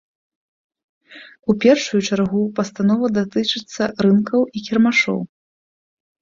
У першую чаргу пастанова датычыцца рынкаў і кірмашоў.